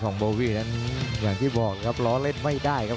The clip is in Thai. โบวี่นั้นอย่างที่บอกครับล้อเล่นไม่ได้ครับ